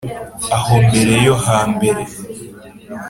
aho mbera yo hambere